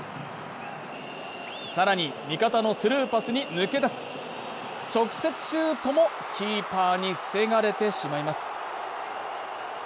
更に、味方のスルーパスに抜け出す直接シュートも、キーパーに防がれてしまいます。